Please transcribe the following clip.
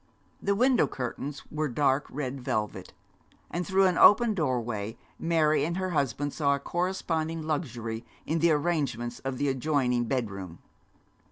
The window curtains were dark red velvet; and through an open doorway Mary and her husband saw a corresponding luxury in the arrangements of the adjoining bedroom.